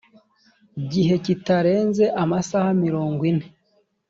gihe kitarenze amasaha mirongo ine